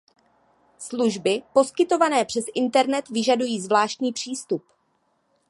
Služby poskytované přes internet vyžadují zvláštní přístup.